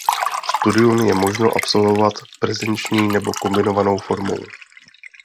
Studium je možno absolvovat prezenční nebo kombinovanou formou.